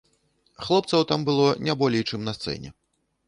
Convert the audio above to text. Хлопцаў там было не болей, чым на сцэне.